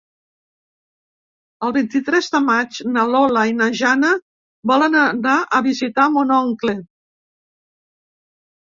El vint-i-tres de maig na Lola i na Jana volen anar a visitar mon oncle.